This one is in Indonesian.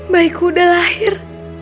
baiku udah lahir